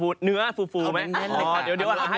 โอเคเราขอไว้